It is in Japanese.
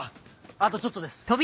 あとちょっとです。